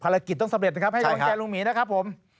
กิจต้องสำเร็จนะครับให้กำลังใจลุงหมีนะครับผม